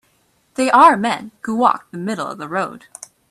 They are men who walk the middle of the road.